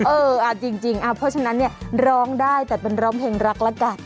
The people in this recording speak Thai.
เออจริงเพราะฉะนั้นร้องได้แต่มันร้องเพลงรักละกัด